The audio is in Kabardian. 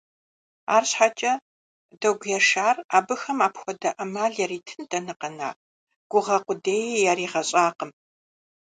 АрщхьэкӀэ Догу Яшар абыхэм апхуэдэ Ӏэмал яритын дэнэ къэна, гугъэ къудеи яригъэщӀакъым.